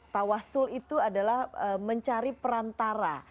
tawasul itu adalah mencari perantara